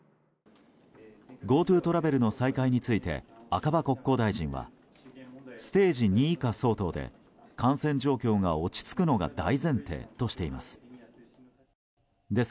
ＧｏＴｏトラベルの再開について赤羽国土交通大臣はステージ２以下相当で感染状況が落ち着くのが大前提としています。